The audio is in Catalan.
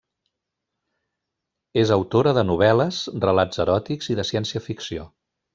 És autora de novel·les, relats eròtics i de ciència-ficció.